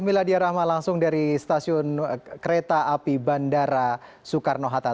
miladia rahma langsung dari stasiun kereta api bandara soekarno hatta